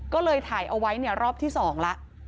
ก็เลยถ่ายเอาไว้รอบที่๒ละ